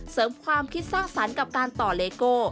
ความคิดสร้างสรรค์กับการต่อเลโก้